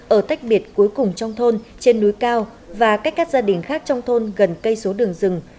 ở tách biệt cuối cùng trong thôn trên núi cao và cách các gia đình khác trong thôn gần cây số đường rừng